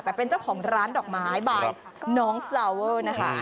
แต่เป็นเจ้าของร้านดอกไม้บายน้องสลาเวอร์นะคะ